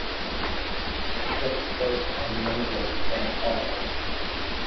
It takes place on Mayday bank holiday.